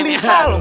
ini gelisah loh